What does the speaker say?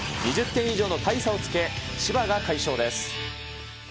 ２０点以上の大差をつけ、千葉が快勝です。